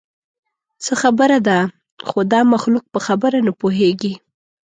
څه خبره ده؟ خو دا مخلوق په خبره نه پوهېږي.